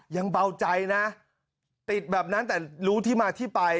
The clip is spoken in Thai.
ยังเบาใจนะติดแบบนั้นแต่รู้ที่มาที่ไป